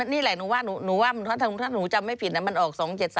นี่แหละหนูว่าหนูว่าถ้าหนูจำไม่ผิดมันออก๒๗๓